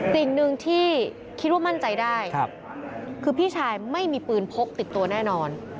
สิ่งหนึ่งที่คิดว่ามั่นใจได้คือพี่ชายไม่มีปืนพกติดตัวแน่นอน